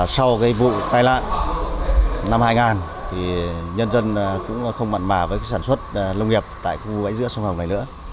sau vụ tai lạc năm hai nghìn nhân dân cũng không mặn mà với sản xuất nông nghiệp tại khu vực bãi giữa sông hồng này nữa